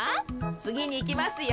つぎにいきますよ。